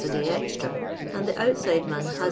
a day extra ; and the outsideman has M.